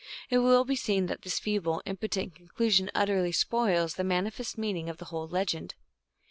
It will be seen that this feeble, impotent conclusion utterly spoils the man ifest meaning of the whole legend.